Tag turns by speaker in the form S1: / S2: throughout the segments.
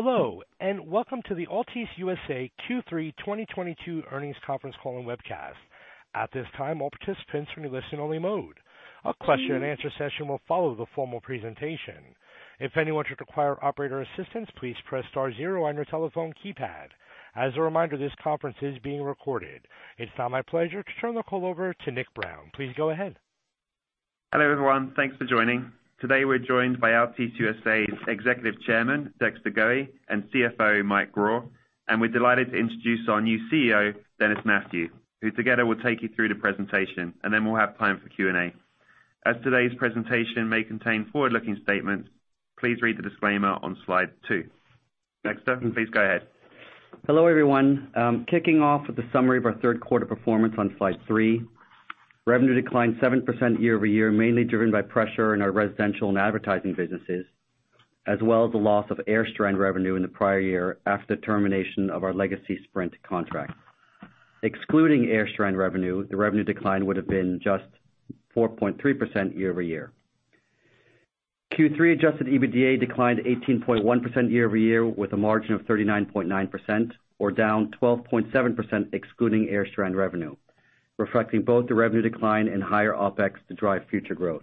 S1: Hello, and welcome to the Altice USA Q3 2022 Earnings Conference Call and Webcast. At this time, all participants will be in listen only mode. A question and answer session will follow the formal presentation. If anyone should require operator assistance, please press star zero on your telephone keypad. As a reminder, this conference is being recorded. It's now my pleasure to turn the call over to Nick Brown. Please go ahead.
S2: Hello, everyone. Thanks for joining. Today we're joined by Altice USA's Executive Chairman, Dexter Goei, and CFO, Mike Grau. We're delighted to introduce our new CEO, Dennis Mathew, who together will take you through the presentation, and then we'll have time for Q&A. As today's presentation may contain forward-looking statements, please read the disclaimer on slide two. Dexter, please go ahead.
S3: Hello, everyone. Kicking off with a summary of our third quarter performance on slide three. Revenue declined 7% year-over-year, mainly driven by pressure in our residential and advertising businesses, as well as the loss of AirStrand revenue in the prior year after the termination of our legacy Sprint contract. Excluding AirStrand revenue, the revenue decline would have been just 4.3% year-over-year. Q3 adjusted EBITDA declined 18.1% year-over-year, with a margin of 39.9%, or down 12.7% excluding AirStrand revenue, reflecting both the revenue decline and higher Opex to drive future growth.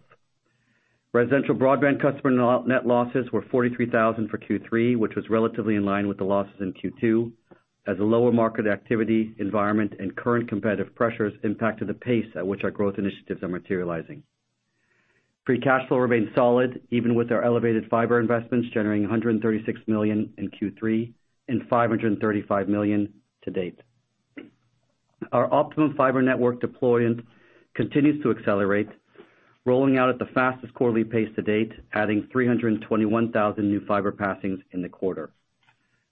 S3: Residential broadband customer net losses were 43,000 for Q3, which was relatively in line with the losses in Q2 as a lower market activity environment and current competitive pressures impacted the pace at which our growth initiatives are materializing. Free cash flow remained solid even with our elevated fiber investments, generating $136 million in Q3 and $535 million to date. Our Optimum fiber network deployment continues to accelerate, rolling out at the fastest quarterly pace to date, adding 321,000 new fiber passings in the quarter.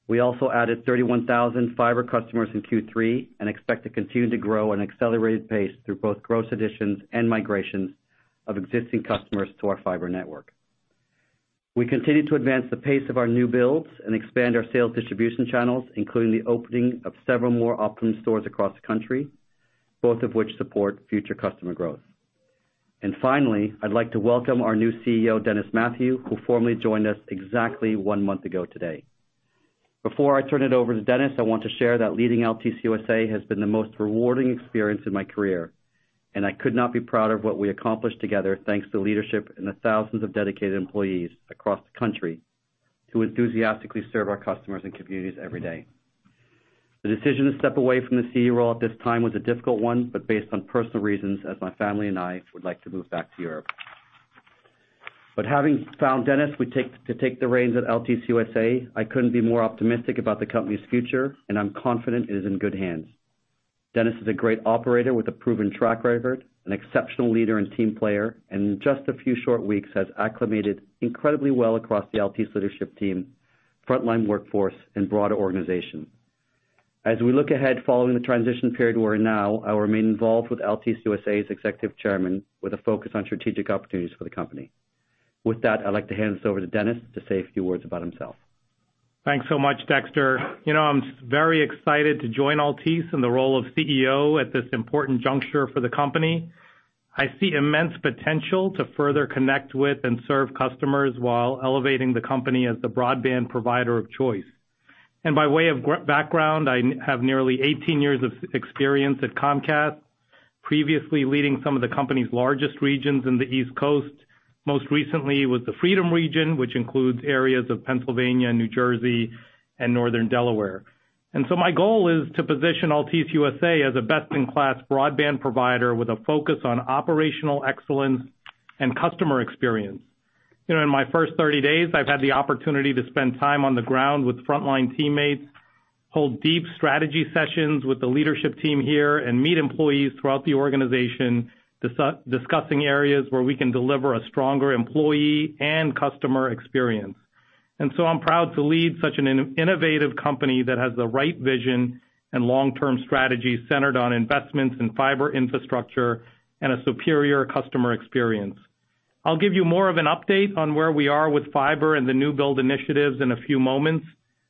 S3: We also added 31,000 fiber customers in Q3 and expect to continue to grow at an accelerated pace through both gross additions and migrations of existing customers to our fiber network. We continue to advance the pace of our new builds and expand our sales distribution channels, including the opening of several more Optimum stores across the country, both of which support future customer growth. Finally, I'd like to welcome our new CEO, Dennis Mathew, who formally joined us exactly one month ago today. Before I turn it over to Dennis, I want to share that leading Altice USA has been the most rewarding experience in my career, and I could not be prouder of what we accomplished together thanks to leadership and the thousands of dedicated employees across the country who enthusiastically serve our customers and communities every day. The decision to step away from the CEO role at this time was a difficult one, but based on personal reasons as my family and I would like to move back to Europe. Having found Dennis to take the reins at Altice USA, I couldn't be more optimistic about the company's future, and I'm confident it is in good hands. Dennis is a great operator with a proven track record, an exceptional leader and team player, and in just a few short weeks has acclimated incredibly well across the Altice leadership team, frontline workforce, and broader organization. As we look ahead following the transition period we're in now, I will remain involved as Altice USA's executive chairman with a focus on strategic opportunities for the company. With that, I'd like to hand this over to Dennis to say a few words about himself.
S4: Thanks so much, Dexter. You know, I'm very excited to join Altice in the role of CEO at this important juncture for the company. I see immense potential to further connect with and serve customers while elevating the company as the broadband provider of choice. By way of background, I have nearly 18 years of experience at Comcast, previously leading some of the company's largest regions in the East Coast, most recently with the Freedom Region, which includes areas of Pennsylvania, New Jersey, and Northern Delaware. My goal is to position Altice USA as a best in class broadband provider with a focus on operational excellence and customer experience. You know, in my first 30 days, I've had the opportunity to spend time on the ground with frontline teammates, hold deep strategy sessions with the leadership team here, and meet employees throughout the organization, discussing areas where we can deliver a stronger employee and customer experience. I'm proud to lead such an innovative company that has the right vision and long-term strategy centered on investments in fiber infrastructure and a superior customer experience. I'll give you more of an update on where we are with fiber and the new build initiatives in a few moments,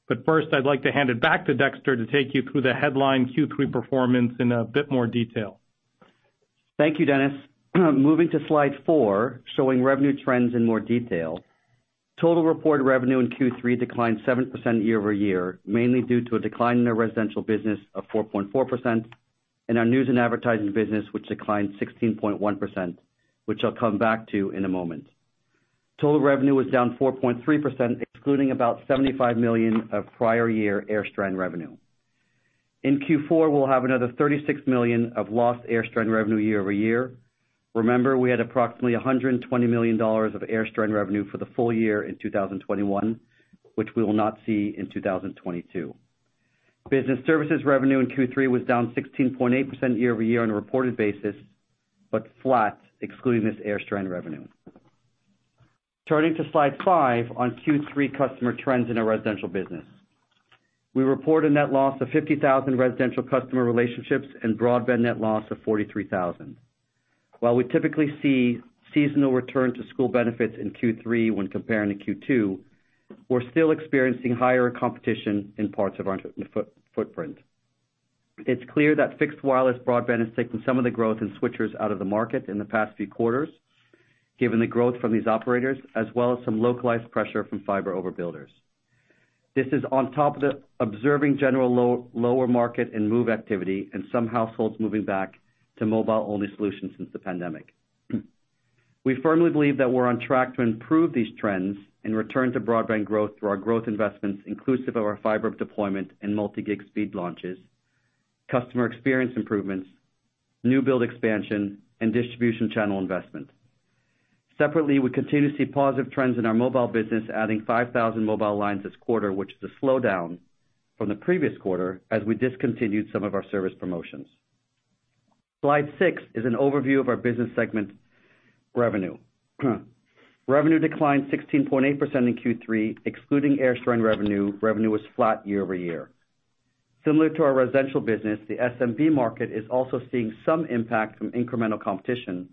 S4: but first I'd like to hand it back to Dexter to take you through the headline Q3 performance in a bit more detail.
S3: Thank you, Dennis. Moving to slide four, showing revenue trends in more detail. Total reported revenue in Q3 declined 7% year-over-year, mainly due to a decline in our residential business of 4.4% and our news and advertising business, which declined 16.1%, which I'll come back to in a moment. Total revenue was down 4.3%, excluding about $75 million of prior year AirStrand revenue. In Q4, we'll have another $36 million of lost AirStrand revenue year-over-year. Remember, we had approximately $120 million of AirStrand revenue for the full year in 2021, which we will not see in 2022. Business services revenue in Q3 was down 16.8% year-over-year on a reported basis, but flat excluding this AirStrand revenue. Turning to slide five on Q3 customer trends in our residential business. We report a net loss of 50,000 residential customer relationships and broadband net loss of 43,000. While we typically see seasonal return to school benefits in Q3 when comparing to Q2, we're still experiencing higher competition in parts of our footprint. It's clear that fixed wireless broadband has taken some of the growth in switchers out of the market in the past few quarters, given the growth from these operators, as well as some localized pressure from fiber overbuilders. This is on top of the ongoing generally lower market and move activity and some households moving back to mobile-only solutions since the pandemic. We firmly believe that we're on track to improve these trends and return to broadband growth through our growth investments, inclusive of our fiber deployment and multi-gig speed launches, customer experience improvements, new build expansion, and distribution channel investment. Separately, we continue to see positive trends in our mobile business, adding 5,000 mobile lines this quarter, which is a slowdown from the previous quarter as we discontinued some of our service promotions. Slide six is an overview of our business segment revenue. Revenue declined 16.8% in Q3. Excluding AirStrand revenue was flat year-over-year. Similar to our residential business, the SMB market is also seeing some impact from incremental competition,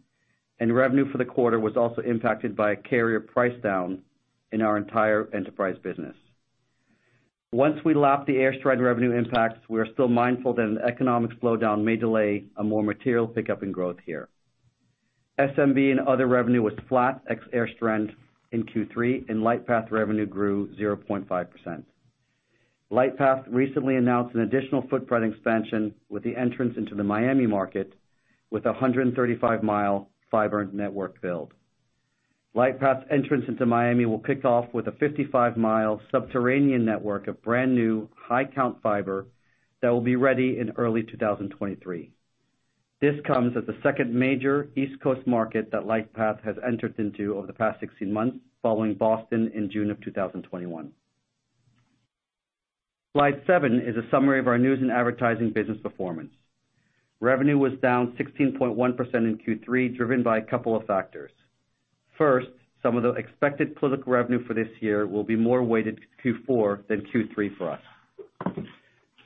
S3: and revenue for the quarter was also impacted by a carrier price down in our entire enterprise business. Once we lap the AirStrand revenue impacts, we are still mindful that an economic slowdown may delay a more material pickup in growth here. SMB and other revenue was flat ex AirStrand in Q3, and Lightpath revenue grew 0.5%. Lightpath recently announced an additional footprint expansion with the entrance into the Miami market with a 135-mile fiber network build. Lightpath's entrance into Miami will kick off with a 55-mile subterranean network of brand-new high count fiber that will be ready in early 2023. This comes as the second major East Coast market that Lightpath has entered into over the past 16 months, following Boston in June of 2021. Slide seven is a summary of our news and advertising business performance. Revenue was down 16.1% in Q3, driven by a couple of factors. First, some of the expected political revenue for this year will be more weighted to Q4 than Q3 for us.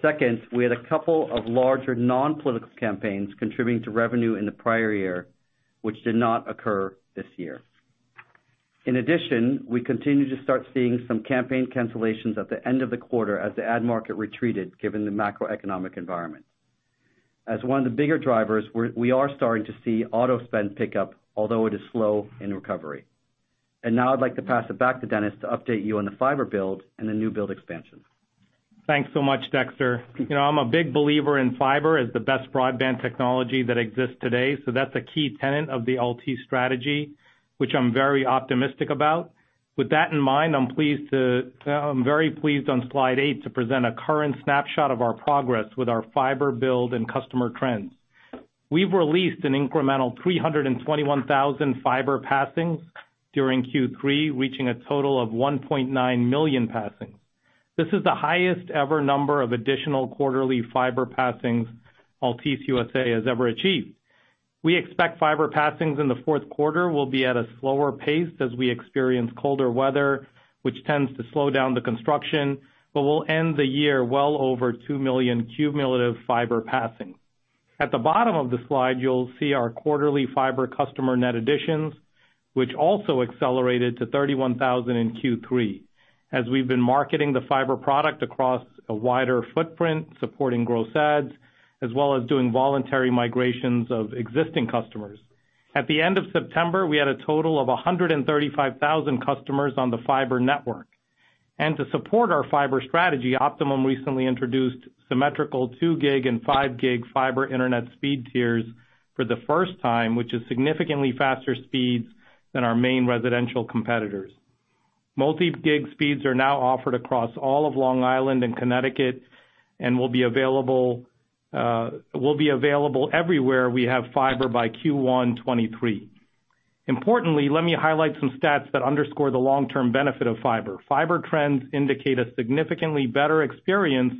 S3: Second, we had a couple of larger non-political campaigns contributing to revenue in the prior year, which did not occur this year. In addition, we continue to start seeing some campaign cancellations at the end of the quarter as the ad market retreated given the macroeconomic environment. As one of the bigger drivers, we are starting to see auto spend pick up, although it is slow in recovery. Now I'd like to pass it back to Dennis to update you on the fiber build and the new build expansion.
S4: Thanks so much, Dexter. You know, I'm a big believer in fiber as the best broadband technology that exists today, so that's a key tenet of the Altice strategy, which I'm very optimistic about. With that in mind, I'm very pleased on slide eight to present a current snapshot of our progress with our fiber build and customer trends. We've released an incremental 321,000 fiber passings during Q3, reaching a total of 1.9 million passings. This is the highest ever number of additional quarterly fiber passings Altice USA has ever achieved. We expect fiber passings in the fourth quarter will be at a slower pace as we experience colder weather, which tends to slow down the construction, but we'll end the year well over 2 million cumulative fiber passings. At the bottom of the slide, you'll see our quarterly fiber customer net additions, which also accelerated to 31,000 in Q3 as we've been marketing the fiber product across a wider footprint, supporting gross adds, as well as doing voluntary migrations of existing customers. At the end of September, we had a total of 135,000 customers on the fiber network. To support our fiber strategy, Optimum recently introduced symmetrical 2 gig and 5 gig fiber internet speed tiers for the first time, which is significantly faster speeds than our main residential competitors. Multi-gig speeds are now offered across all of Long Island and Connecticut and will be available everywhere we have fiber by Q1 2023. Importantly, let me highlight some stats that underscore the long-term benefit of fiber. Fiber trends indicate a significantly better experience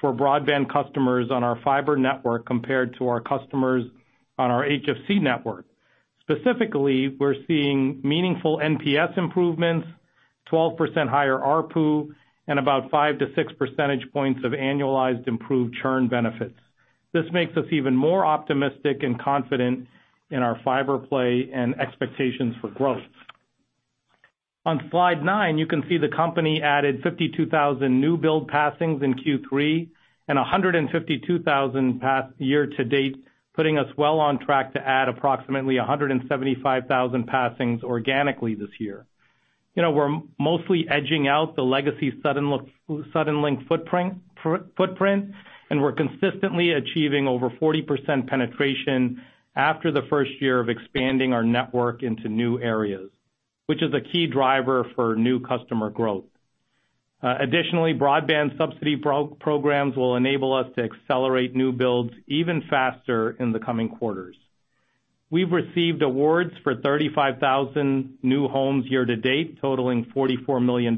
S4: for broadband customers on our fiber network compared to our customers on our HFC network. Specifically, we're seeing meaningful NPS improvements, 12% higher ARPU, and about 5-6 percentage points of annualized improved churn benefits. This makes us even more optimistic and confident in our fiber play and expectations for growth. On slide nine, you can see the company added 52,000 new build passings in Q3 and 152,000 passings year to date, putting us well on track to add approximately 175,000 passings organically this year. You know, we're mostly edging out the legacy Suddenlink footprint, and we're consistently achieving over 40% penetration after the first year of expanding our network into new areas, which is a key driver for new customer growth. Additionally, broadband subsidy programs will enable us to accelerate new builds even faster in the coming quarters. We've received awards for 35,000 new homes year to date, totaling $44 million.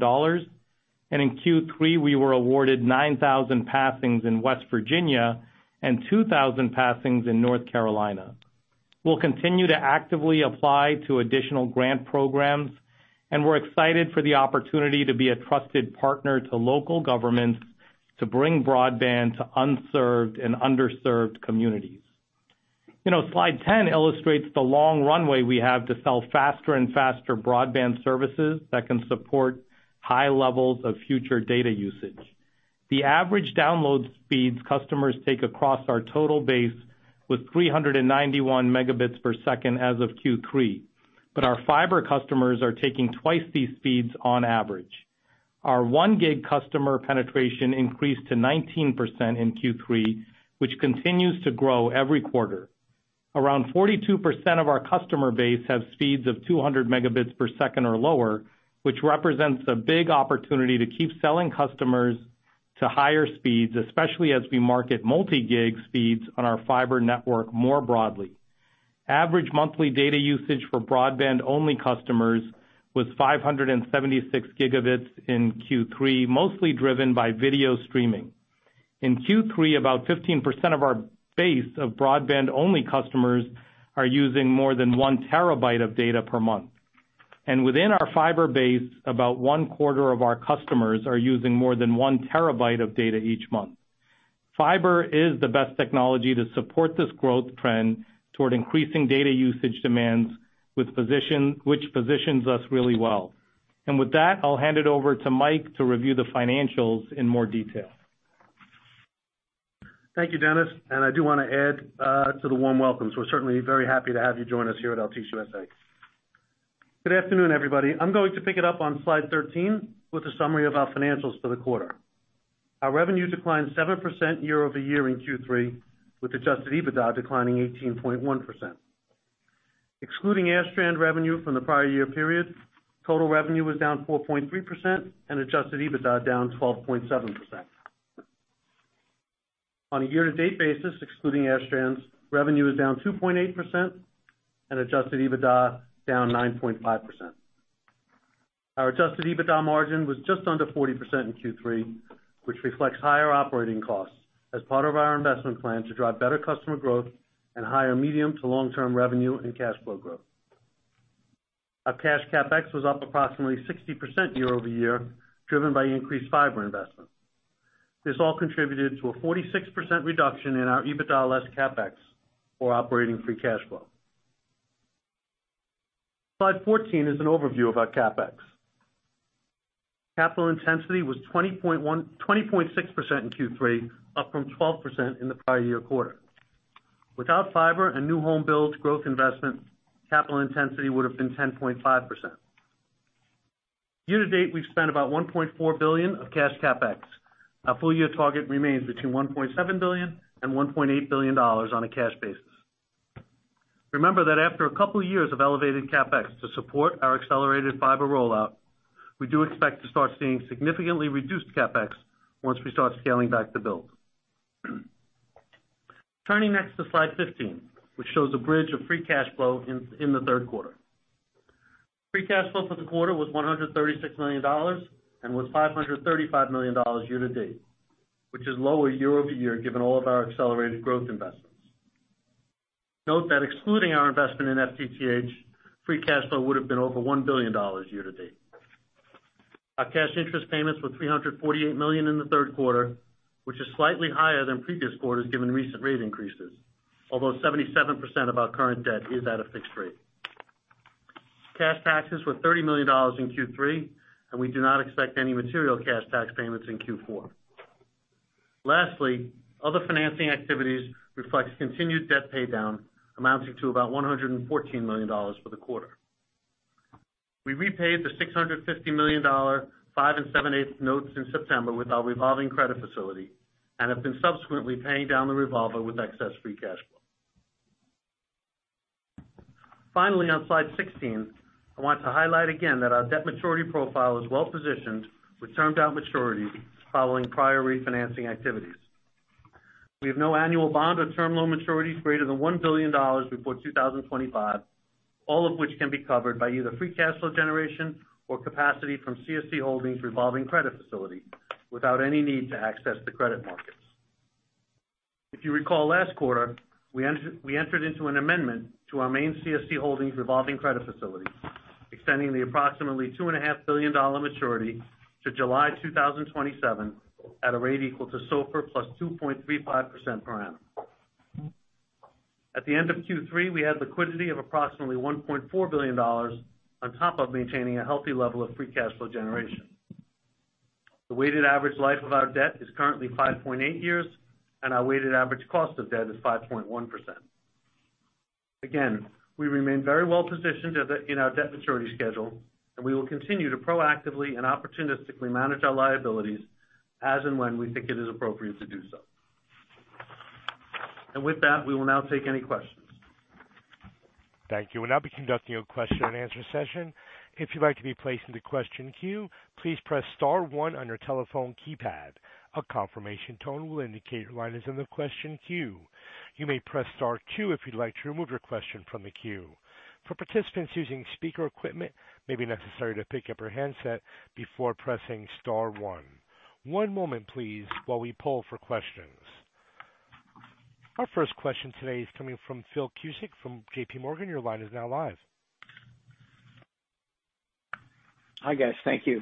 S4: In Q3, we were awarded 9,000 passings in West Virginia and 2,000 passings in North Carolina. We'll continue to actively apply to additional grant programs, and we're excited for the opportunity to be a trusted partner to local governments to bring broadband to unserved and underserved communities. You know, slide 10 illustrates the long runway we have to sell faster and faster broadband services that can support high levels of future data usage. The average download speeds customers take across our total base was 391 Mbps as of Q3. Our fiber customers are taking twice these speeds on average. Our 1 gig customer penetration increased to 19% in Q3, which continues to grow every quarter. Around 42% of our customer base have speeds of 200 Mbps or lower, which represents a big opportunity to keep selling customers to higher speeds, especially as we market multi-gig speeds on our fiber network more broadly. Average monthly data usage for broadband-only customers was 576 GB in Q3, mostly driven by video streaming. In Q3, about 15% of our base of broadband-only customers are using more than 1 TB of data per month. Within our fiber base, about one-quarter of our customers are using more than 1 TB of data each month. Fiber is the best technology to support this growth trend toward increasing data usage demands, which positions us really well. With that, I'll hand it over to Mike to review the financials in more detail.
S5: Thank you, Dennis. I do wanna add to the warm welcome. We're certainly very happy to have you join us here at Altice USA. Good afternoon, everybody. I'm going to pick it up on slide 13 with a summary of our financials for the quarter. Our revenue declined 7% year-over-year in Q3, with adjusted EBITDA declining 18.1%. Excluding AirStrand revenue from the prior year period, total revenue was down 4.3% and adjusted EBITDA down 12.7%. On a year-to-date basis, excluding AirStrands, revenue is down 2.8% and adjusted EBITDA down 9.5%. Our adjusted EBITDA margin was just under 40% in Q3, which reflects higher operating costs as part of our investment plan to drive better customer growth and higher medium to long-term revenue and cash flow growth. Our cash CapEx was up approximately 60% year-over-year, driven by increased fiber investments. This all contributed to a 46% reduction in our EBITDA less CapEx or operating free cash flow. Slide 14 is an overview of our CapEx. Capital intensity was 20.6% in Q3, up from 12% in the prior year quarter. Without fiber and new home builds growth investment, capital intensity would have been 10.5%. Year to date, we've spent about $1.4 billion of cash CapEx. Our full year target remains between $1.7 billion and $1.8 billion on a cash basis. Remember that after a couple years of elevated CapEx to support our accelerated fiber rollout, we do expect to start seeing significantly reduced CapEx once we start scaling back the build. Turning next to slide 15, which shows a bridge of free cash flow in the third quarter. Free cash flow for the quarter was $136 million and was $535 million year-to-date, which is lower year-over-year, given all of our accelerated growth investments. Note that excluding our investment in FTTH, free cash flow would have been over $1 billion year-to-date. Our cash interest payments were $348 million in the third quarter, which is slightly higher than previous quarters given recent rate increases, although 77% of our current debt is at a fixed rate. Cash taxes were $30 million in Q3, and we do not expect any material cash tax payments in Q4. Lastly, other financing activities reflects continued debt paydown amounting to about $114 million for the quarter. We repaid the $650 million 5 7/8 notes in September with our revolving credit facility and have been subsequently paying down the revolver with excess free cash flow. Finally, on slide 16, I want to highlight again that our debt maturity profile is well positioned with termed out maturities following prior refinancing activities. We have no annual bond or term loan maturities greater than $1 billion before 2025, all of which can be covered by either free cash flow generation or capacity from CSC Holdings revolving credit facility without any need to access the credit markets. If you recall last quarter, we entered into an amendment to our main CSC Holdings revolving credit facility, extending the approximately $2.5 billion maturity to July 2027 at a rate equal to SOFR plus 2.35% per annum. At the end of Q3, we had liquidity of approximately $1.4 billion on top of maintaining a healthy level of free cash flow generation. The weighted average life of our debt is currently 5.8 years, and our weighted average cost of debt is 5.1%. Again, we remain very well positioned in our debt maturity schedule, and we will continue to proactively and opportunistically manage our liabilities as and when we think it is appropriate to do so. With that, we will now take any questions.
S1: Thank you. We'll now be conducting a question and answer session. If you'd like to be placed into question queue, please press star one on your telephone keypad. A confirmation tone will indicate your line is in the question queue. You may press star two if you'd like to remove your question from the queue. For participants using speaker equipment, it may be necessary to pick up your handset before pressing star one. One moment please while we poll for questions. Our first question today is coming from Philip Cusick from JPMorgan. Your line is now live.
S6: Hi guys. Thank you.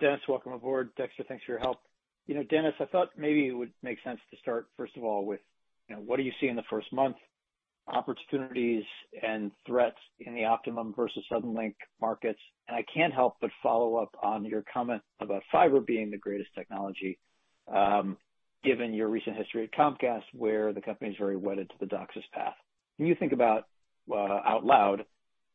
S6: Dennis, welcome aboard. Dexter, thanks for your help. You know, Dennis, I thought maybe it would make sense to start, first of all, with, you know, what do you see in the first month, opportunities and threats in the Optimum versus Suddenlink markets? I can't help but follow up on your comment about fiber being the greatest technology, given your recent history at Comcast, where the company is very wedded to the DOCSIS path. Can you think about out loud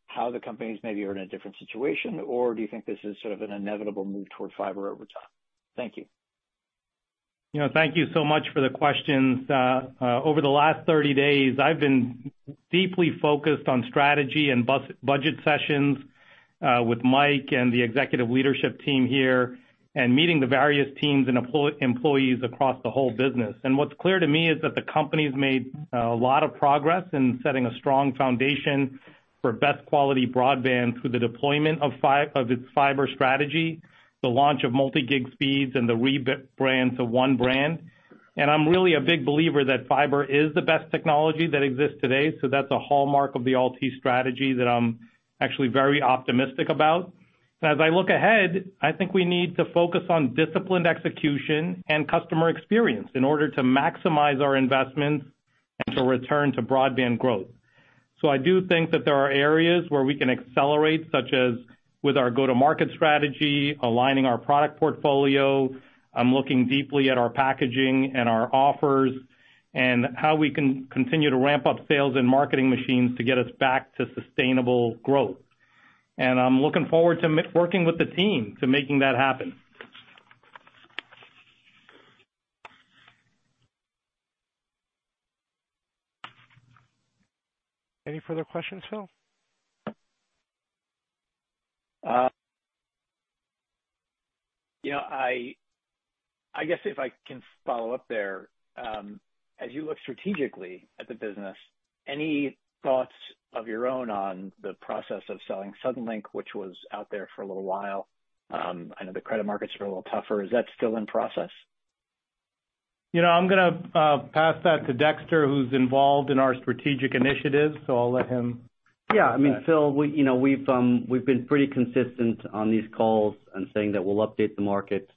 S6: how the companies maybe are in a different situation? Or do you think this is sort of an inevitable move toward fiber over time? Thank you.
S4: You know, thank you so much for the questions. Over the last 30 days, I've been deeply focused on strategy and budget sessions with Mike and the executive leadership team here and meeting the various teams and employees across the whole business. What's clear to me is that the company's made a lot of progress in setting a strong foundation for best quality broadband through the deployment of its fiber strategy, the launch of multi-gig speeds and the rebrand to one brand. I'm really a big believer that fiber is the best technology that exists today. That's a hallmark of the Altice strategy that I'm actually very optimistic about. As I look ahead, I think we need to focus on disciplined execution and customer experience in order to maximize our investments and to return to broadband growth. I do think that there are areas where we can accelerate, such as with our go-to-market strategy, aligning our product portfolio. I'm looking deeply at our packaging and our offers and how we can continue to ramp up sales and marketing machines to get us back to sustainable growth. I'm looking forward to working with the team to make that happen.
S1: Any further questions, Phil? You know, I guess if I can follow up there, as you look strategically at the business, any thoughts of your own on the process of selling Suddenlink, which was out there for a little while? I know the credit markets are a little tougher. Is that still in process?
S4: You know, I'm gonna pass that to Dexter, who's involved in our strategic initiatives, so I'll let him.
S3: Yeah. I mean, Phil, we, you know, we've been pretty consistent on these calls and saying that we'll update the market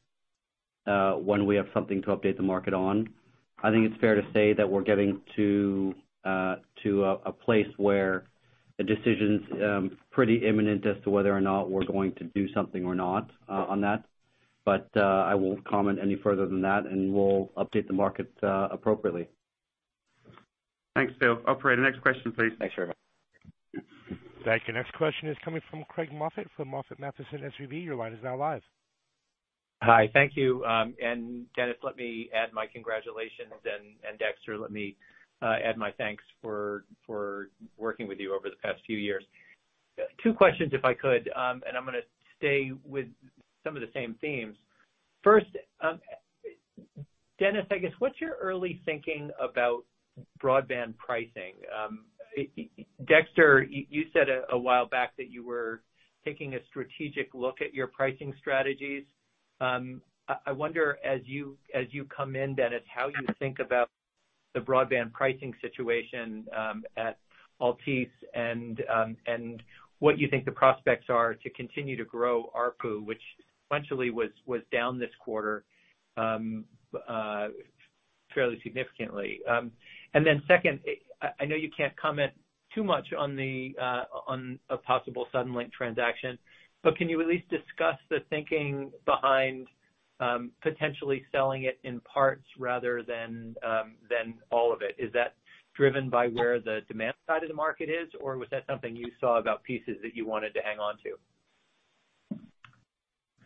S3: when we have something to update the market on. I think it's fair to say that we're getting to a place where the decision's pretty imminent as to whether or not we're going to do something or not on that. But I won't comment any further than that, and we'll update the market appropriately.
S4: Thanks, Phil. Operator, next question, please.
S6: Thanks very much.
S1: Thank you. Next question is coming from Craig Moffett from MoffettNathanson. Your line is now live.
S7: Hi. Thank you. Dennis, let me add my congratulations, and Dexter, let me add my thanks for working with you over the past few years. Two questions, if I could, and I'm gonna stay with some of the same themes. First, Dennis, I guess, what's your early thinking about broadband pricing? Dexter, you said a while back that you were taking a strategic look at your pricing strategies. I wonder, as you come in, Dennis, how you think about the broadband pricing situation at Altice and what you think the prospects are to continue to grow ARPU, which essentially was down this quarter fairly significantly. Second, I know you can't comment too much on a possible Suddenlink transaction, but can you at least discuss the thinking behind potentially selling it in parts rather than all of it? Is that driven by where the demand side of the market is, or was that something you saw about pieces that you wanted to hang on to?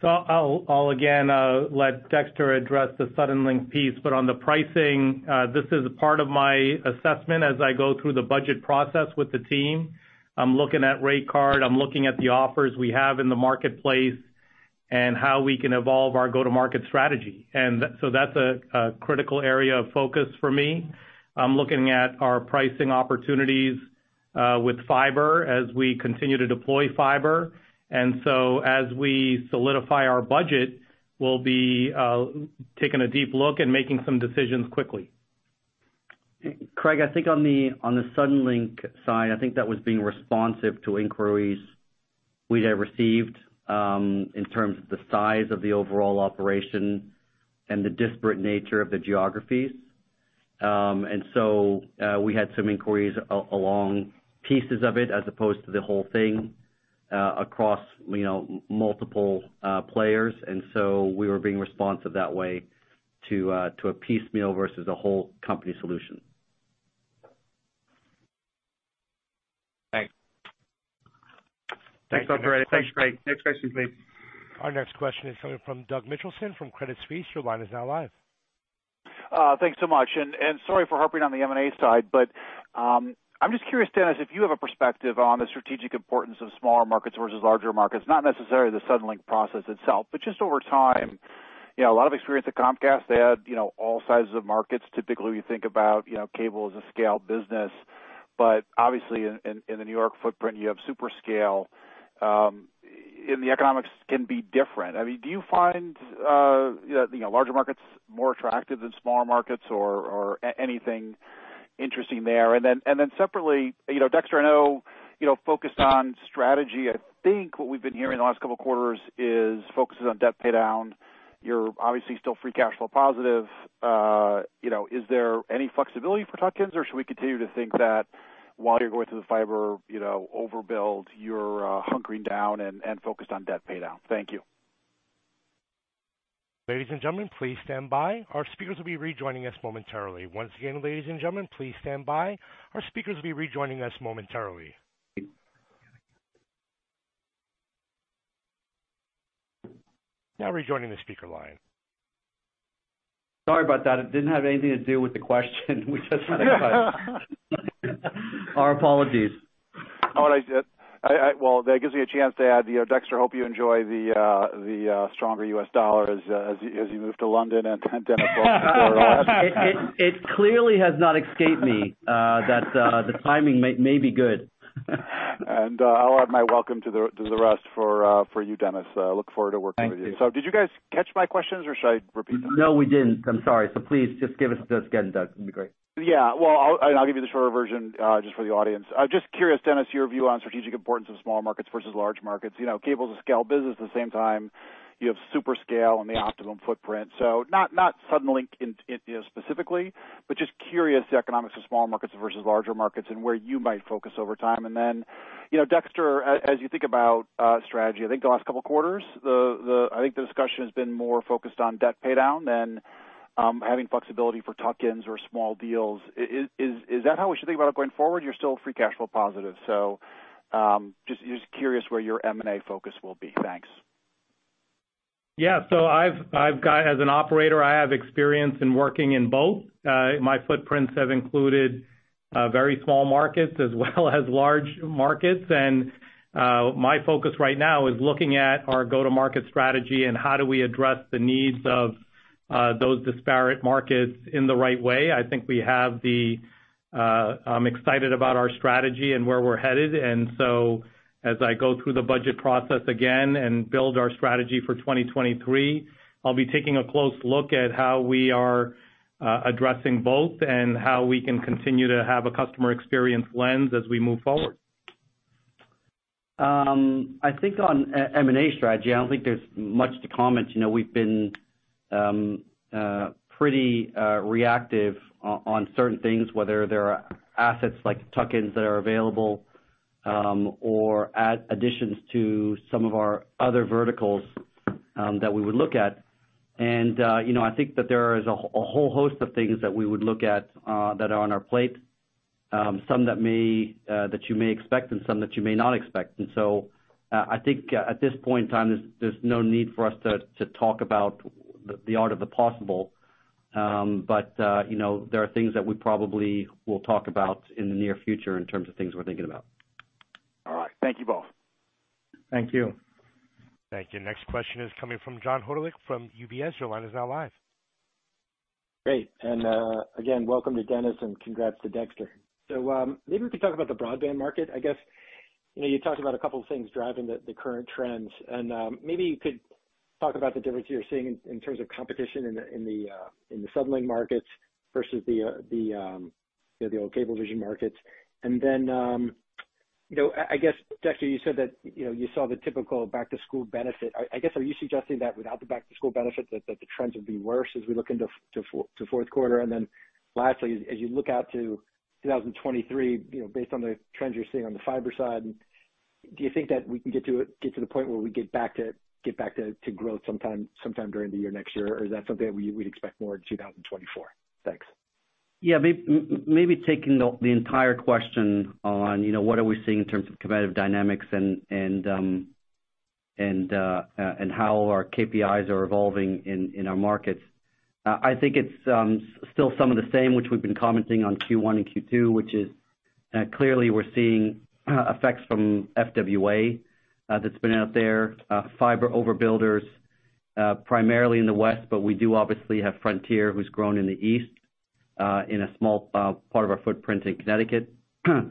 S4: I'll again let Dexter address the Suddenlink piece. On the pricing, this is part of my assessment as I go through the budget process with the team. I'm looking at rate card. I'm looking at the offers we have in the marketplace, and how we can evolve our go-to-market strategy. That's a critical area of focus for me. I'm looking at our pricing opportunities with fiber as we continue to deploy fiber. As we solidify our budget, we'll be taking a deep look and making some decisions quickly.
S3: Craig, I think on the Suddenlink side, I think that was being responsive to inquiries we had received, in terms of the size of the overall operation and the disparate nature of the geographies. We had some inquiries along pieces of it as opposed to the whole thing, across, you know, multiple players. We were being responsive that way to a piecemeal versus a whole company solution.
S7: Thanks.
S4: Thanks, operator.
S1: Our next question.
S4: Thanks, Craig. Next question, please.
S1: Our next question is coming from Doug Mitchelson from Credit Suisse. Your line is now live.
S8: Thanks so much. Sorry for harping on the M&A side, but I'm just curious, Dennis, if you have a perspective on the strategic importance of smaller markets versus larger markets, not necessarily the Suddenlink process itself, but just over time. You know, a lot of experience at Comcast, they had, you know, all sizes of markets. Typically, we think about, you know, cable as a scale business, but obviously in the New York footprint, you have super scale, and the economics can be different. I mean, do you find, you know, larger markets more attractive than smaller markets or anything interesting there. Then separately, you know, Dexter, I know, you know, focused on strategy. I think what we've been hearing the last couple of quarters is focuses on debt paydown. You're obviously still free cash flow positive. You know, is there any flexibility for tuck-ins, or should we continue to think that while you're going through the fiber, you know, overbuild, you're hunkering down and focused on debt paydown? Thank you.
S1: Ladies and gentlemen, please stand by. Our speakers will be rejoining us momentarily. Once again, ladies and gentlemen, please stand by. Our speakers will be rejoining us momentarily. Now rejoining the speaker line.
S3: Sorry about that. It didn't have anything to do with the question. Our apologies.
S8: Well, that gives me a chance to add, you know, Dexter, hope you enjoy the stronger US dollar as you move to London and Dennis
S3: It clearly has not escaped me that the timing may be good.
S8: I'll add my welcome to the rest for you, Dennis. Look forward to working with you.
S4: Thank you.
S8: Did you guys catch my questions or should I repeat them?
S3: No, we didn't. I'm sorry. Please just give us those again, Doug, that'd be great.
S8: Yeah. Well, I'll give you the shorter version, just for the audience. I'm just curious, Dennis, your view on strategic importance of small markets versus large markets. You know, cable is a scale business. At the same time, you have super scale and the Optimum footprint. So not Suddenlink in, you know, specifically, but just curious the economics of small markets versus larger markets and where you might focus over time. Then, you know, Dexter, as you think about strategy, I think the last couple of quarters, I think the discussion has been more focused on debt paydown than having flexibility for tuck-ins or small deals. Is that how we should think about it going forward? You're still free cash flow positive. Just curious where your M&A focus will be. Thanks.
S4: I've got as an operator, I have experience in working in both. My footprints have included very small markets as well as large markets. My focus right now is looking at our go-to-market strategy and how do we address the needs of those disparate markets in the right way. I'm excited about our strategy and where we're headed. As I go through the budget process again and build our strategy for 2023, I'll be taking a close look at how we are addressing both and how we can continue to have a customer experience lens as we move forward.
S3: I think on M&A strategy, I don't think there's much to comment. You know, we've been pretty reactive on certain things, whether there are assets like tuck-ins that are available, or additions to some of our other verticals, that we would look at. You know, I think that there is a whole host of things that we would look at, that are on our plate, some that you may expect and some that you may not expect. I think at this point in time, there's no need for us to talk about the art of the possible. You know, there are things that we probably will talk about in the near future in terms of things we're thinking about.
S8: All right. Thank you both.
S4: Thank you.
S1: Thank you. Next question is coming from John Hodulik from UBS. Your line is now live.
S9: Great. Again, welcome to Dennis and congrats to Dexter. Maybe we could talk about the broadband market. I guess you talked about a couple of things driving the current trends, and maybe you could talk about the difference you're seeing in terms of competition in the Suddenlink markets versus the old Cablevision markets. Then you know, I guess, Dexter, you said that you saw the typical back-to-school benefit. I guess, are you suggesting that without the back-to-school benefit the trends would be worse as we look into fourth quarter? Lastly, as you look out to 2023, you know, based on the trends you're seeing on the fiber side, do you think that we can get to the point where we get back to growth sometime during the year next year? Or is that something we'd expect more in 2024? Thanks.
S3: Yeah. Maybe taking the entire question on, you know, what are we seeing in terms of competitive dynamics and how our KPIs are evolving in our markets. I think it's still some of the same which we've been commenting on Q1 and Q2, which is clearly we're seeing effects from FWA that's been out there, fiber overbuilders primarily in the West, but we do obviously have Frontier who's grown in the East in a small part of our footprint in Connecticut. So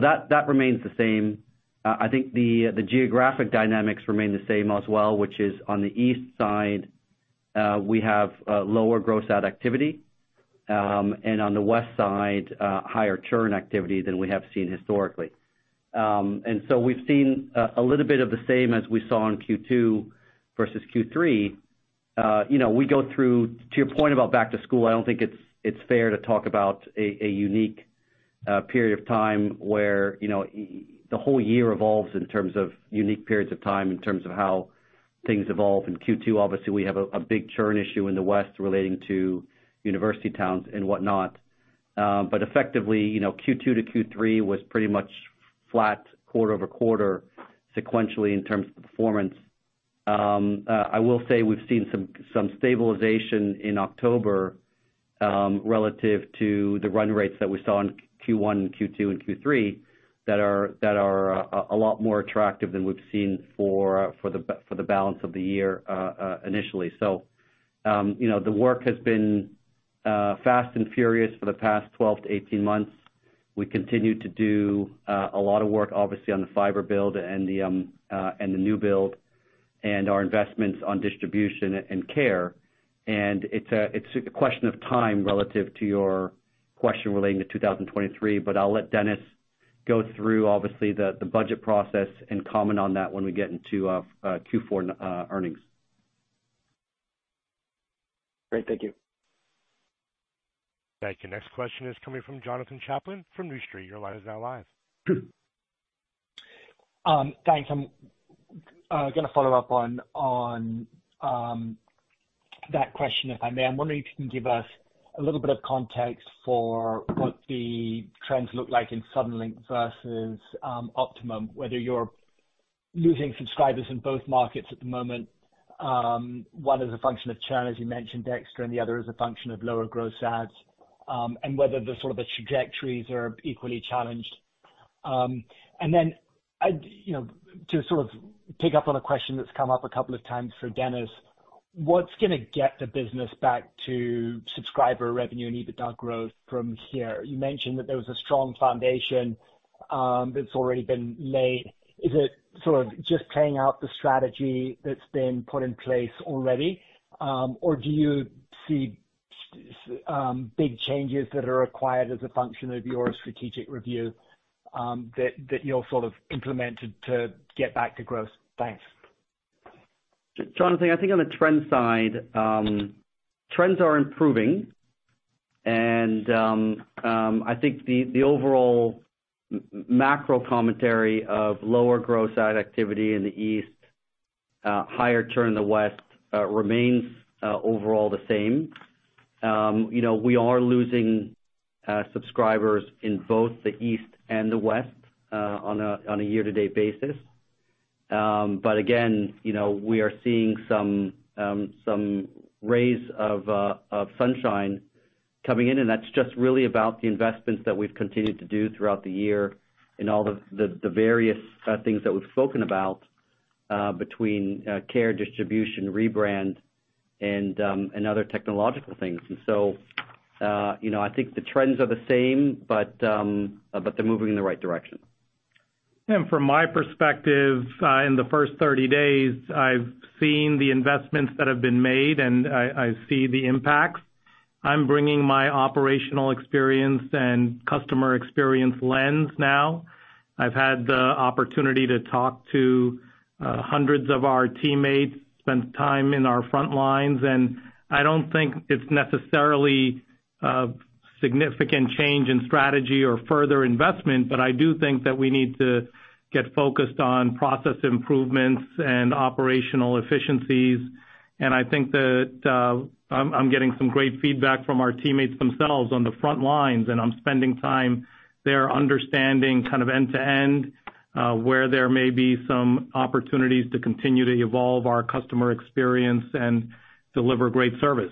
S3: that remains the same. I think the geographic dynamics remain the same as well, which is on the East side we have lower gross add activity and on the West side higher churn activity than we have seen historically. We've seen a little bit of the same as we saw in Q2 versus Q3. You know, we go through to your point about back to school, I don't think it's fair to talk about a unique period of time where, you know, the whole year evolves in terms of unique periods of time, in terms of how things evolve. In Q2, obviously, we have a big churn issue in the West relating to university towns and whatnot. Effectively, you know, Q2 to Q3 was pretty much flat quarter over quarter sequentially in terms of the performance. I will say we've seen some stabilization in October relative to the run rates that we saw in Q1, Q2, and Q3 that are a lot more attractive than we've seen for the balance of the year initially. You know, the work has been fast and furious for the past 12-18 months. We continue to do a lot of work, obviously, on the fiber build and the new build and our investments on distribution and care. It's a question of time relative to your question relating to 2023. I'll let Dennis go through obviously the budget process and comment on that when we get into Q4 earnings.
S9: Great. Thank you.
S1: Thank you. Next question is coming from Jonathan Chaplin from New Street Research. Your line is now live.
S10: Thanks. I'm gonna follow up on that question, if I may. I'm wondering if you can give us a little bit of context for what the trends look like in Suddenlink versus Optimum, whether you're losing subscribers in both markets at the moment. One is a function of churn, as you mentioned, Dexter, and the other is a function of lower gross adds, and whether sort of the trajectories are equally challenged. I'd, you know, to sort of pick up on a question that's come up a couple of times for Dennis, what's gonna get the business back to subscriber revenue and EBITDA growth from here? You mentioned that there was a strong foundation that's already been laid. Is it sort of just playing out the strategy that's been put in place already, or do you see big changes that are required as a function of your strategic review, that you'll sort of implement to get back to growth? Thanks.
S3: Jonathan, I think on the trend side, trends are improving. I think the overall macro commentary of lower gross add activity in the East, higher churn in the West, remains overall the same. You know, we are losing subscribers in both the East and the West on a year-to-date basis. Again, you know, we are seeing some rays of sunshine coming in, and that's just really about the investments that we've continued to do throughout the year and all the various things that we've spoken about between care, distribution, rebrand and other technological things. You know, I think the trends are the same, but they're moving in the right direction.
S4: From my perspective, in the first 30 days, I've seen the investments that have been made, and I see the impacts. I'm bringing my operational experience and customer experience lens now. I've had the opportunity to talk to hundreds of our teammates, spend time in our front lines, and I don't think it's necessarily a significant change in strategy or further investment, but I do think that we need to get focused on process improvements and operational efficiencies. I think that I'm getting some great feedback from our teammates themselves on the front lines, and I'm spending time there understanding kind of end to end where there may be some opportunities to continue to evolve our customer experience and deliver great service.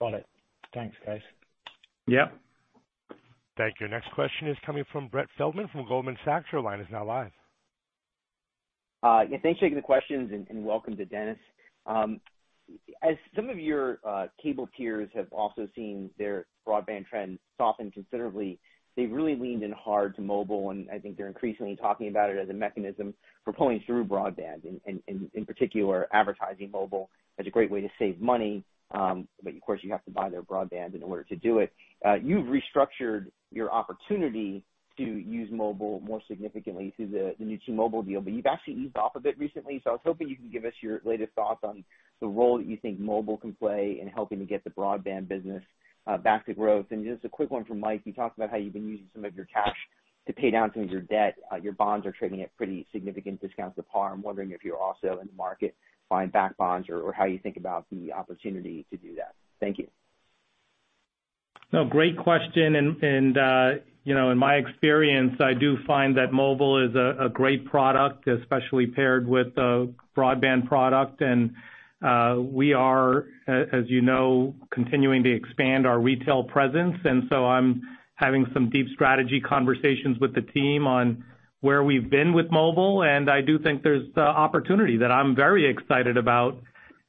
S10: Got it. Thanks, guys.
S4: Yep.
S1: Thank you. Next question is coming from Brett Feldman from Goldman Sachs. Your line is now live.
S11: Yeah, thanks for taking the questions and welcome to Dennis. As some of your cable peers have also seen their broadband trends soften considerably, they've really leaned in hard to mobile, and I think they're increasingly talking about it as a mechanism for pulling through broadband and in particular, advertising mobile as a great way to save money. But of course you have to buy their broadband in order to do it. You've restructured your opportunity to use mobile more significantly through the new T-Mobile deal, but you've actually eased off a bit recently, so I was hoping you could give us your latest thoughts on the role that you think mobile can play in helping to get the broadband business back to growth. Just a quick one from Mike. You talked about how you've been using some of your cash to pay down some of your debt. Your bonds are trading at pretty significant discounts to par. I'm wondering if you're also in the market to buy back bonds or how you think about the opportunity to do that. Thank you.
S4: No, great question. You know, in my experience, I do find that mobile is a great product, especially paired with a broadband product. We are, as you know, continuing to expand our retail presence. I'm having some deep strategy conversations with the team on where we've been with mobile, and I do think there's opportunity that I'm very excited about.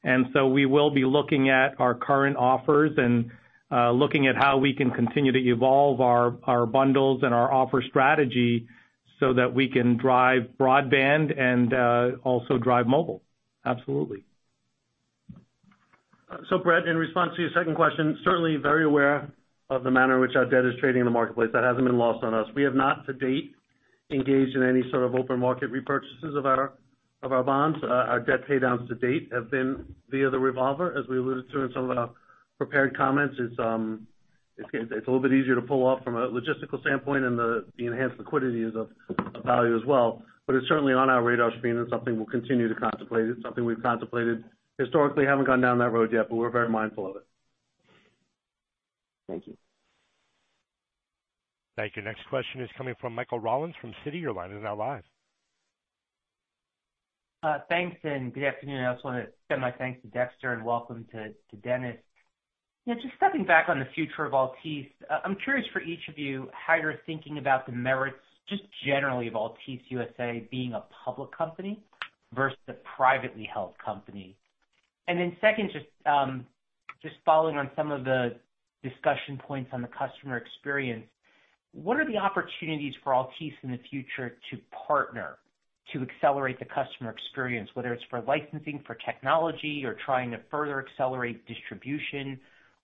S4: We will be looking at our current offers and looking at how we can continue to evolve our bundles and our offer strategy so that we can drive broadband and also drive mobile. Absolutely.
S5: Brett, in response to your second question, certainly very aware of the manner in which our debt is trading in the marketplace. That hasn't been lost on us. We have not to date engaged in any sort of open market repurchases of our bonds. Our debt paydowns to date have been via the revolver, as we alluded to in some of the prepared comments. It's a little bit easier to pull off from a logistical standpoint, and the enhanced liquidity is of value as well. It's certainly on our radar screen and something we'll continue to contemplate. It's something we've contemplated historically. Haven't gone down that road yet, we're very mindful of it.
S11: Thank you.
S1: Thank you. Next question is coming from Michael Rollins from Citi. Your line is now live.
S12: Thanks and good afternoon. I also wanna extend my thanks to Dexter and welcome to Dennis. You know, just stepping back on the future of Altice, I'm curious for each of you how you're thinking about the merits just generally of Altice USA being a public company versus a privately held company. Second, just following on some of the discussion points on the customer experience, what are the opportunities for Altice in the future to partner to accelerate the customer experience, whether it's for licensing for technology or trying to further accelerate distribution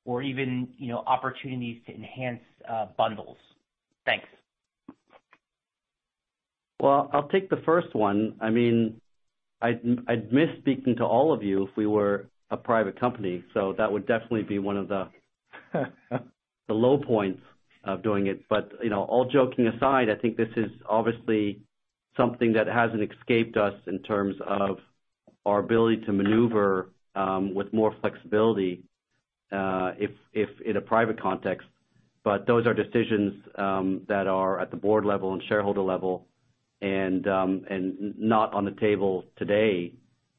S12: or even, you know, opportunities to enhance bundles? Thanks.
S3: Well, I'll take the first one. I mean, I'd miss speaking to all of you if we were a private company. That would definitely be one of the low points of doing it. You know, all joking aside, I think this is obviously something that hasn't escaped us in terms of our ability to maneuver with more flexibility if in a private context. Those are decisions that are at the board level and shareholder level and not on the table today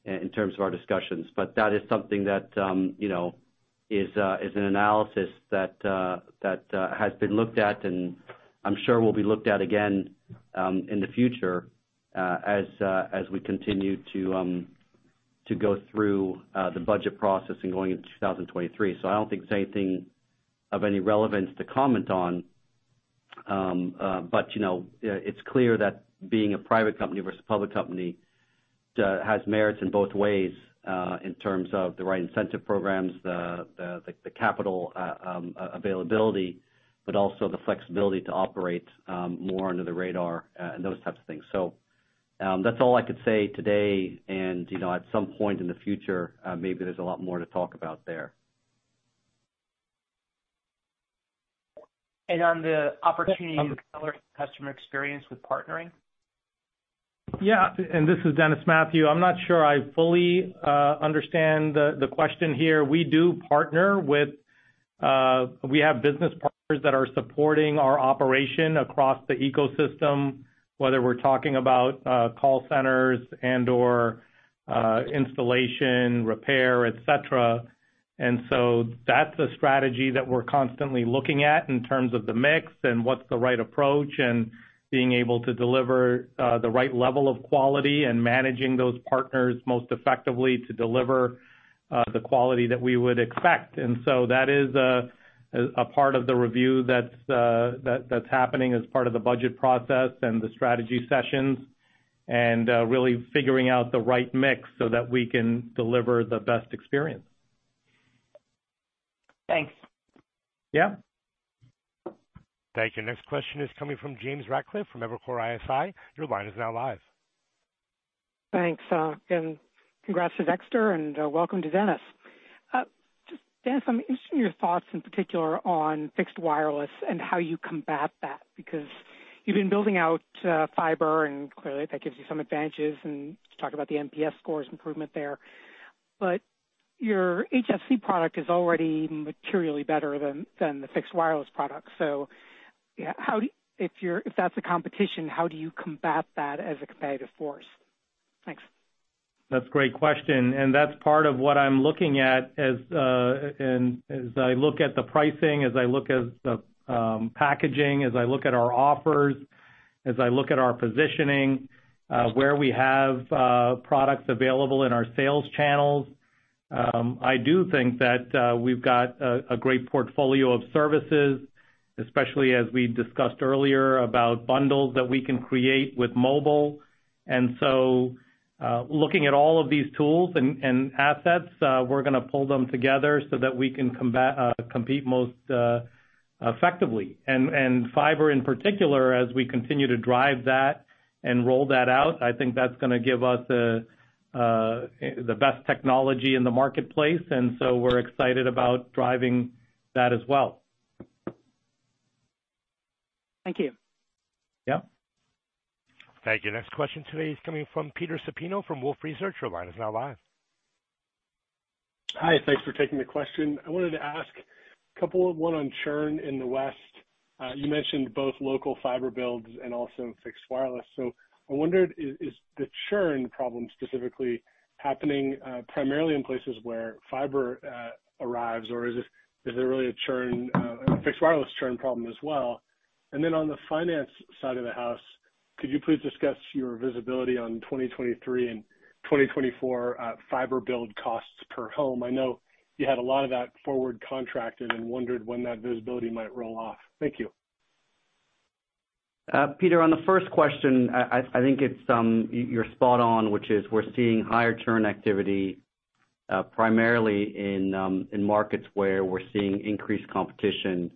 S3: in terms of our discussions. That is something that you know is an analysis that has been looked at and I'm sure will be looked at again in the future as we continue to go through the budget process and going into 2023. I don't think there's anything of any relevance to comment on. You know, it's clear that being a private company versus public company has merits in both ways, in terms of the right incentive programs, the capital availability, but also the flexibility to operate more under the radar, and those types of things. That's all I could say today. You know, at some point in the future, maybe there's a lot more to talk about there.
S12: On the opportunity to accelerate customer experience with partnering?
S4: Yeah. This is Dennis Mathew. I'm not sure I fully understand the question here. We have business partners that are supporting our operation across the ecosystem, whether we're talking about call centers and/or installation, repair, et cetera. That's a strategy that we're constantly looking at in terms of the mix and what's the right approach and being able to deliver the right level of quality and managing those partners most effectively to deliver the quality that we would expect. That is a part of the review that's happening as part of the budget process and the strategy sessions and really figuring out the right mix so that we can deliver the best experience.
S12: Thanks.
S4: Yeah.
S1: Thank you. Next question is coming from James Ratcliffe from Evercore ISI. Your line is now live.
S13: Thanks, and congrats to Dexter, and welcome to Dennis. Just Dennis, I'm interested in your thoughts in particular on fixed wireless and how you combat that, because you've been building out fiber, and clearly that gives you some advantages. You talked about the NPS scores improvement there. Your HFC product is already materially better than the fixed wireless product. If that's the competition, how do you combat that as a competitive force? Thanks.
S4: That's a great question, and that's part of what I'm looking at as and as I look at the pricing, as I look at the packaging, as I look at our offers, as I look at our positioning, where we have products available in our sales channels. I do think that we've got a great portfolio of services, especially as we discussed earlier about bundles that we can create with mobile. Looking at all of these tools and assets, we're gonna pull them together so that we can compete most effectively. Fiber in particular, as we continue to drive that and roll that out, I think that's gonna give us the best technology in the marketplace, and so we're excited about driving that as well.
S13: Thank you.
S4: Yeah.
S1: Thank you. Next question today is coming from Peter Supino from Wolfe Research. Your line is now live.
S14: Hi. Thanks for taking the question. I wanted to ask one on churn in the West. You mentioned both local fiber builds and also fixed wireless. I wondered, is the churn problem specifically happening primarily in places where fiber arrives, or is it really a fixed wireless churn problem as well? And then on the finance side of the house, could you please discuss your visibility on 2023 and 2024 fiber build costs per home? I know you had a lot of that forward contracted and wondered when that visibility might roll off. Thank you.
S3: Peter, on the first question, I think it's you're spot on, which is we're seeing higher churn activity, primarily in markets where we're seeing increased competition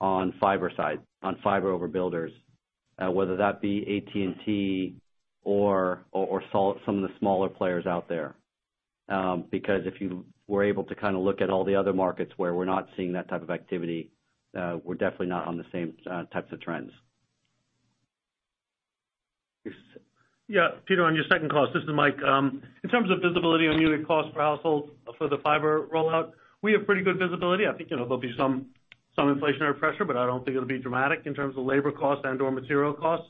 S3: on fiber side, on fiber overbuilders, whether that be AT&T or some of the smaller players out there. Because if you were able to kind of look at all the other markets where we're not seeing that type of activity, we're definitely not on the same types of trends.
S5: Yeah, Peter, on your second call, this is Mike. In terms of visibility on unit cost per household for the fiber rollout, we have pretty good visibility. I think, you know, there'll be some inflationary pressure, but I don't think it'll be dramatic in terms of labor costs and/or material costs.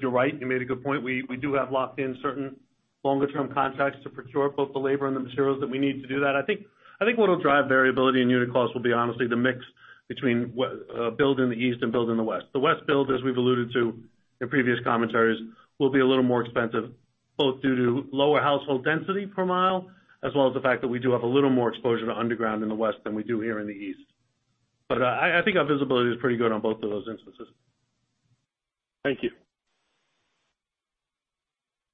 S5: You're right, you made a good point. We do have locked in certain longer term contracts to procure both the labor and the materials that we need to do that. I think what will drive variability in unit costs will be honestly the mix between build in the East and build in the West. The West build, as we've alluded to. In previous commentaries will be a little more expensive, both due to lower household density per mile, as well as the fact that we do have a little more exposure to underground in the West than we do here in the East. I think our visibility is pretty good on both of those instances.
S14: Thank you.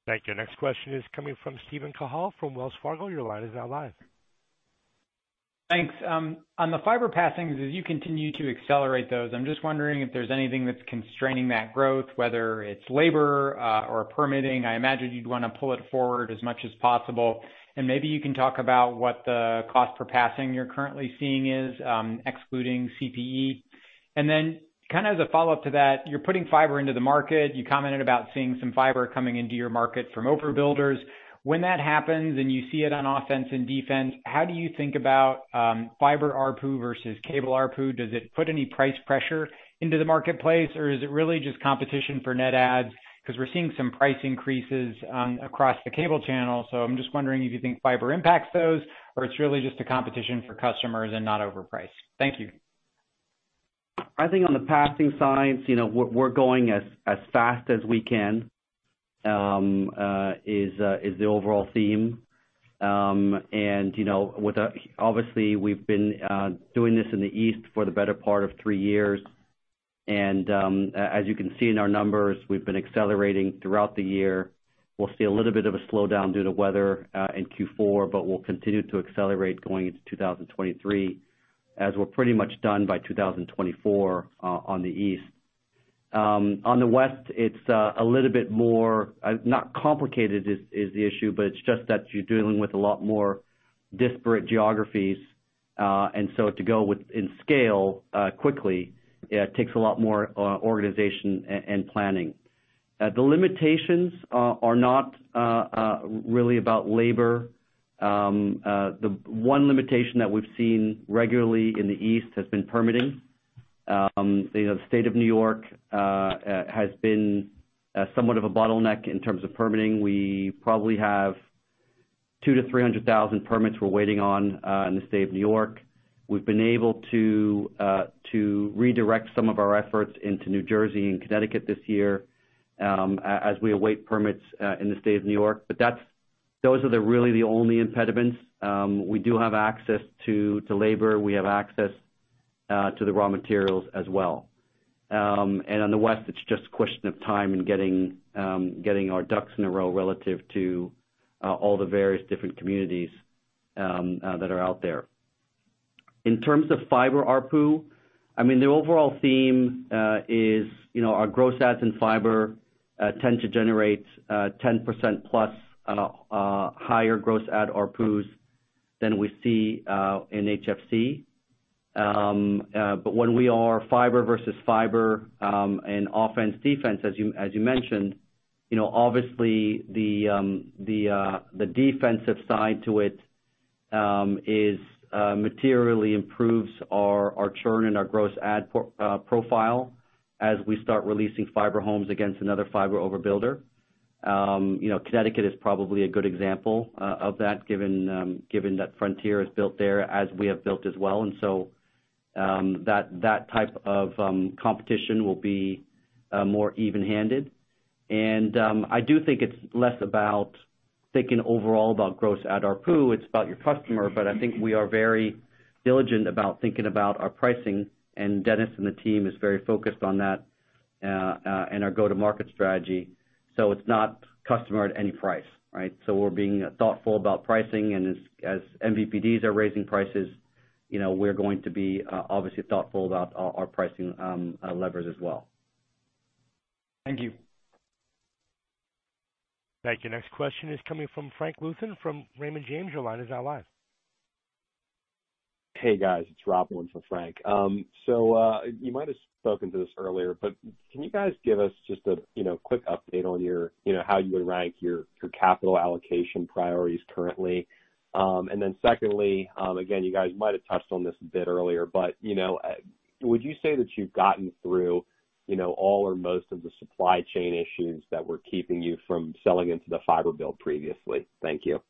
S1: Thank you. Next question is coming from Steven Cahall from Wells Fargo. Your line is now live.
S15: Thanks. On the fiber passings, as you continue to accelerate those, I'm just wondering if there's anything that's constraining that growth, whether it's labor or permitting. I imagine you'd wanna pull it forward as much as possible. Maybe you can talk about what the cost per passing you're currently seeing is, excluding CPE. Kind of as a follow-up to that, you're putting fiber into the market. You commented about seeing some fiber coming into your market from overbuilders. When that happens and you see it on offense and defense, how do you think about fiber ARPU versus cable ARPU? Does it put any price pressure into the marketplace, or is it really just competition for net adds? 'Cause we're seeing some price increases across the cable channel. I'm just wondering if you think fiber impacts those or it's really just a competition for customers and not over price. Thank you.
S3: I think on the passing side, you know, we're going as fast as we can is the overall theme. You know, with that, obviously, we've been doing this in the East for the better part of three years. As you can see in our numbers, we've been accelerating throughout the year. We'll see a little bit of a slowdown due to weather in Q4, but we'll continue to accelerate going into 2023, as we're pretty much done by 2024 on the East. On the West, it's a little bit more not complicated is the issue, but it's just that you're dealing with a lot more disparate geographies. To grow and scale quickly takes a lot more organization and planning. The limitations are not really about labor. The one limitation that we've seen regularly in the East has been permitting. You know, the state of New York has been somewhat of a bottleneck in terms of permitting. We probably have 200,000-300,000 permits we're waiting on in the state of New York. We've been able to redirect some of our efforts into New Jersey and Connecticut this year, as we await permits in the state of New York. Those are really the only impediments. We do have access to labor. We have access to the raw materials as well. On the West, it's just a question of time and getting our ducks in a row relative to all the various different communities that are out there. In terms of fiber ARPU, I mean, the overall theme is, you know, our gross adds in fiber tend to generate 10%+ on a higher gross add ARPUs than we see in HFC. When we are fiber versus fiber and offense, defense, as you mentioned, you know, obviously the defensive side to it is materially improves our churn and our gross add profile as we start releasing fiber homes against another fiber overbuilder. You know, Connecticut is probably a good example of that given that Frontier is built there as we have built as well. That type of competition will be more even-handed. I do think it's less about thinking overall about gross add ARPU. It's about your customer, but I think we are very diligent about thinking about our pricing, and Dennis and the team is very focused on that in our go-to-market strategy. It's not customer at any price, right? We're being thoughtful about pricing. As MVPDs are raising prices, you know, we're going to be obviously thoughtful about our pricing levers as well.
S15: Thank you.
S1: Thank you. Next question is coming from Frank Louthan from Raymond James. Your line is now live.
S16: Hey, guys. It's Rob on for Frank. You might have spoken to this earlier, but can you guys give us just a you know quick update on your you know how you would rank your capital allocation priorities currently? Then secondly, again, you guys might have touched on this a bit earlier, but you know would you say that you've gotten through you know all or most of the supply chain issues that were keeping you from selling into the fiber build previously? Thank you.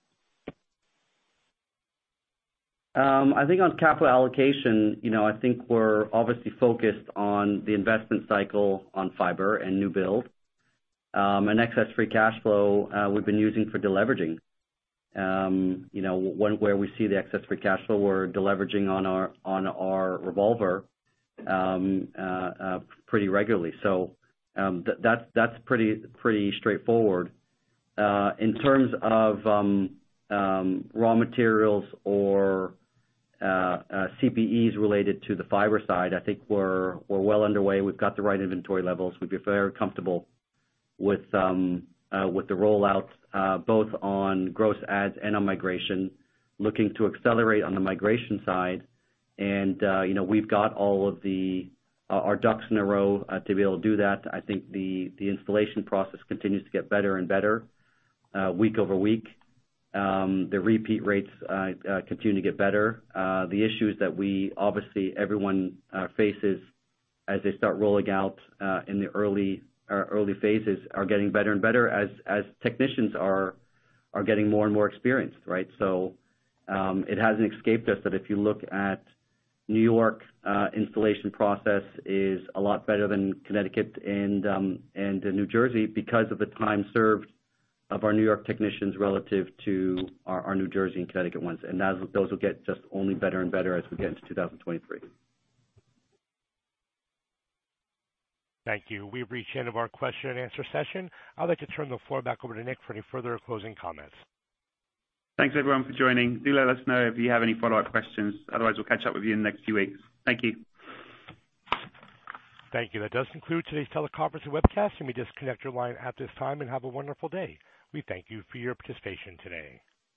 S3: I think on capital allocation, you know, I think we're obviously focused on the investment cycle on fiber and new build. Excess free cash flow, we've been using for deleveraging. You know, where we see the excess free cash flow, we're deleveraging on our revolver pretty regularly. That's pretty straightforward. In terms of raw materials or CPEs related to the fiber side, I think we're well underway. We've got the right inventory levels. We feel very comfortable with the rollouts both on gross adds and on migration, looking to accelerate on the migration side. You know, we've got all of our ducks in a row to be able to do that. I think the installation process continues to get better and better week over week. The repeat rates continue to get better. The issues that we obviously everyone faces as they start rolling out in the early phases are getting better and better as technicians are getting more and more experienced, right? It hasn't escaped us that if you look at New York, installation process is a lot better than Connecticut and New Jersey because of the time served of our New York technicians relative to our New Jersey and Connecticut ones. Those will get just only better and better as we get into 2023.
S1: Thank you. We've reached the end of our question and answer session. I'd like to turn the floor back over to Nick for any further closing comments.
S2: Thanks, everyone for joining. Do let us know if you have any follow-up questions. Otherwise, we'll catch up with you in the next few weeks. Thank you.
S1: Thank you. That does conclude today's teleconference and webcast. You may disconnect your line at this time and have a wonderful day. We thank you for your participation today.